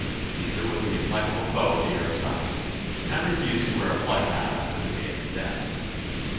Cæsar was the implacable foe of the aristocracy and refused to wear a plug hat up to the day of his death.